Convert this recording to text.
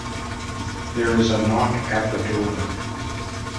There is a knock at the door.